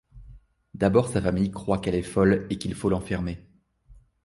D'abord sa famille croit qu'elle est folle et qu'il faut l'enfermer.